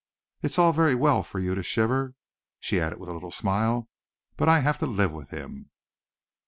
It's all very well for you to shiver," she added, with a little smile, "but I have to live with him."